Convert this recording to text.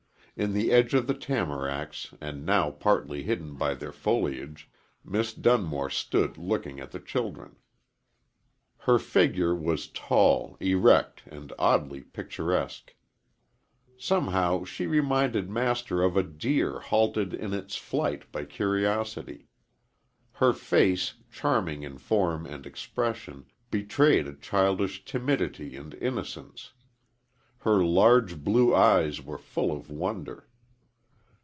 In the edge of the tamaracks and now partly hidden by their foliage, Miss Dunmore stood looking at the children. Her figure was tall, erect, and oddly picturesque. Somehow she reminded Master of a deer halted in its flight by curiosity. Her face, charming in form and expression, betrayed a childish timidity and innocence. Her large, blue eyes were full of wonder.